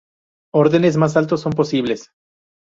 Órdenes más altos son posibles.